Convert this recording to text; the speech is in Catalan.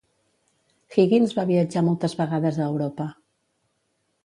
Higgins va viatjar moltes vegades a Europa.